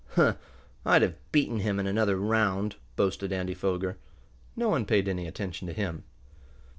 "Huh! I'd have beaten him in another round," boasted Andy Foger. No one paid any attention to him.